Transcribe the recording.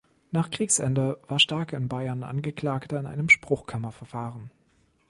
Nach Kriegsende war Stark in Bayern Angeklagter in einem Spruchkammerverfahren.